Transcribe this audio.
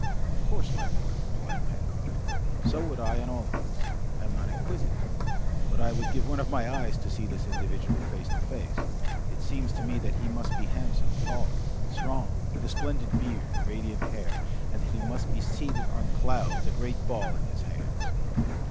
"Of course, my boy," replied Pencroft, "so would I and all of us. I am not inquisitive, but I would give one of my eyes to see this individual face to face! It seems to me that he must be handsome, tall, strong, with a splendid beard, radiant hair, and that he must be seated on clouds, a great ball in his hands!"